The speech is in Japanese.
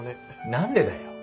何でだよ？